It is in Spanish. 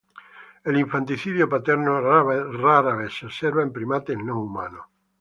El infanticidio paterno rara vez se observa en primates no humanos.